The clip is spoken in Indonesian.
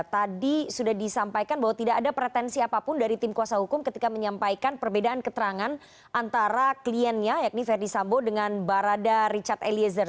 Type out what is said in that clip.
tadi sudah disampaikan bahwa tidak ada pretensi apapun dari tim kuasa hukum ketika menyampaikan perbedaan keterangan antara kliennya yakni verdi sambo dengan barada richard eliezer